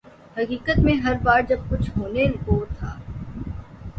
حقیقت میں ہر بار جب کچھ ہونے کو تھا۔